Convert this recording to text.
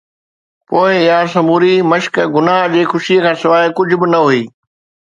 پوءِ اها سموري مشق گناهه جي خوشي کان سواءِ ڪجهه به نه هئي.